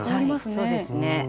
そうですね。